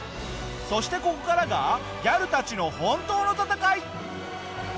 そしてここからがギャルたちの本当の闘い！